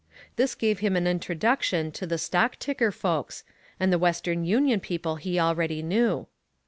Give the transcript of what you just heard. This gave him an introduction to the stock ticker folks, and the Western Union people he already knew.